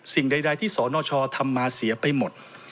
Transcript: สิ่งใดที่สนชทำมาเสียไปหมด